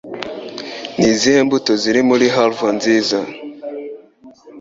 Ni izihe mbuto ziri muri Halva nziza?